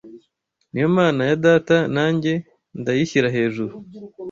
Ni yo Mana ya data, nanjye ndayishyira hejuru.